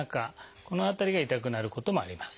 この辺りが痛くなることもあります。